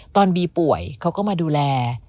ตอนบีป่วยเขาก็มาดูแล